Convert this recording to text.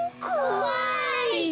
こわい！